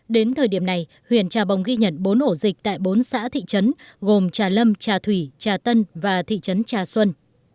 đến thời điểm này huyện trà bồng ghi nhận bốn ổ dịch tại bốn xã thị trấn gồm trà lâm trà thủy trà tân và thị trấn trà xuân